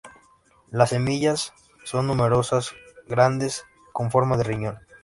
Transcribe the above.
Las semillas son numerosas, grandes, con forma de riñón.